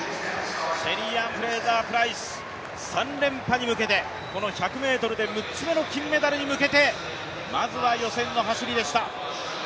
シェリーアン・フレイザープライス３連覇に向けてこの１００ｍで６つ目の金メダルに向けてまずは予選の走りでした。